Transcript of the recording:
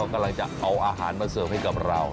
กำลังจะเอาอาหารมาเสิร์ฟให้กับเรา